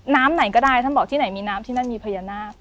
ไหนก็ได้ท่านบอกที่ไหนมีน้ำที่นั่นมีพญานาค